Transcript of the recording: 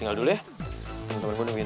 ini tuh cewek emang teman